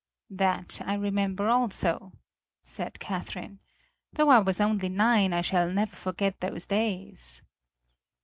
"That I remember also," said Catherine. "Though I was only nine I shall never forget those days."